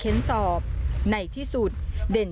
จุดฝังศพสมเนติศาสตร์จังหวัดนครศรีธรรมราช